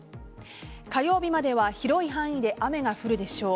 火曜日までは広い範囲で雨が降るでしょう。